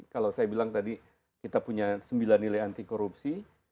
kalau saya bilang tadi kita punya sembilan nilai anti korupsi